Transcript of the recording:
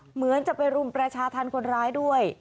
เหมือนจะไปรุมประชาธรรมคนร้ายด้วย